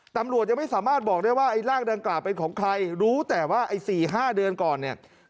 ตำรวจยังไม่สามารถบอกได้ว่าไอ้รากดังกล่าวเป็นของใครรู้แต่ว่าไอ้๔๕เดือนก่อนเนี่ย